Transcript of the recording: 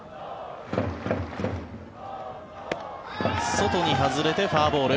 外に外れてフォアボール。